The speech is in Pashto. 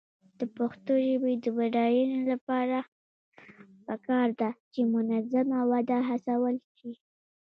د پښتو ژبې د بډاینې لپاره پکار ده چې منظمه وده هڅول شي.